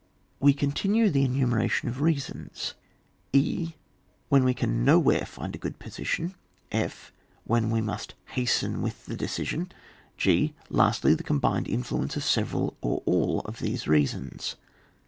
We continue the enumeration of rea sons. («.) When we can nowhere find a good position. (/.) When we must hasten with the decision. {g.) Lastly, the combined influence of several or all of these reasons.